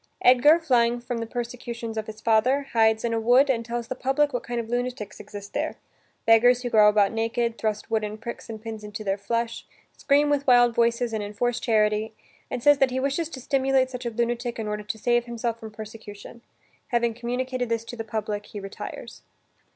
Edgar, flying from the persecutions of his father, hides in a wood and tells the public what kind of lunatics exist there beggars who go about naked, thrust wooden pricks and pins into their flesh, scream with wild voices and enforce charity, and says that he wishes to simulate such a lunatic in order to save himself from persecution. Having communicated this to the public, he retires.